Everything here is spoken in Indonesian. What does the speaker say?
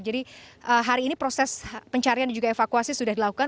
jadi hari ini proses pencarian dan juga evakuasi sudah dilakukan